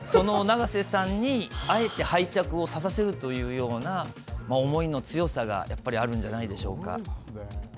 その永瀬さんにあえて敗着を差させるというような思いの強さがやっぱりあるんじゃないでしょうか。